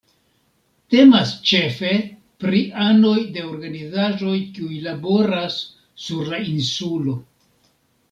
Temas ĉefe pri anoj de organizaĵoj kiuj laboras sur la insulo.